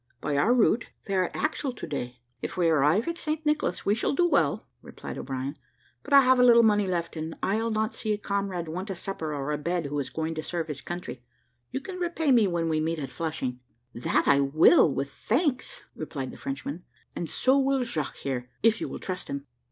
By our route, they are at Axel to day." "If we arrive at St. Nicholas we shall do well," replied O'Brien; "but I have a little money left, and I'll not see a comrade want a supper or a bed who is going to serve his country. You can repay me when we meet at Flushing." "That I will, with thanks," replied the Frenchman, "and so will Jaques, here, if you will trust him."